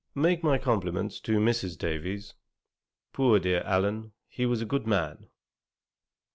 Make my compliments to Mrs. Davies. Poor dear Allen, he was a good man.'